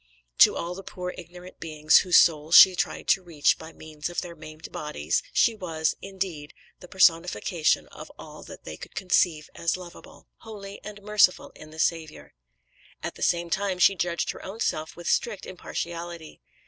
To all the poor, ignorant beings whose souls she tried to reach by means of their maimed bodies, she was, indeed, the personification of all that they could conceive as lovable, holy and merciful in the Saviour. At the same time she judged her own self with strict impartiality.